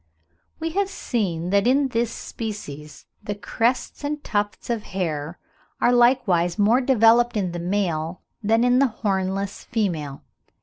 We have seen that in this species the crests and tufts of hair are likewise more developed in the male than in the hornless female.